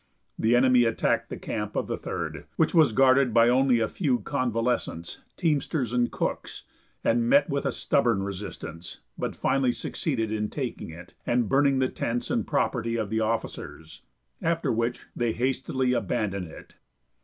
The enemy attacked the camp of the Third, which was guarded by only a few convalescents, teamsters and cooks, and met with a stubborn resistance, but finally succeeded in taking it, and burning the tents and property of the officers, after which they hastily abandoned it.